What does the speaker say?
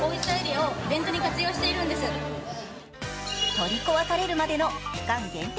取り壊されるまでの期間限定